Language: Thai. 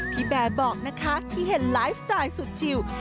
แบร์บอกนะคะที่เห็นไลฟ์สไตล์สุดชิว